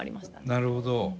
なるほど。